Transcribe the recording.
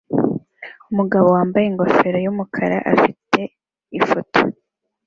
Umugabo wambaye ingofero yumukara afite ifoto